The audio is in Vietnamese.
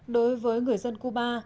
đối với người dân cuba